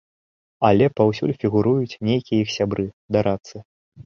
Але паўсюль фігуруюць нейкія іх сябры, дарадцы.